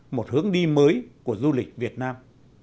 một hướng đi mới của du lịch việt nam